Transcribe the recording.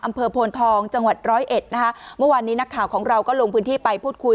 อำเภอโพนทองจังหวัดร้อยเอ็ดนะคะเมื่อวานนี้นักข่าวของเราก็ลงพื้นที่ไปพูดคุย